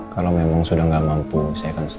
kalau memang sudah gak mampu saya akan berhenti